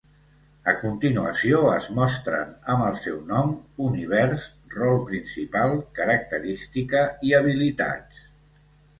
A continuació es mostren amb el seu nom, univers, rol principal, característica i habilitats.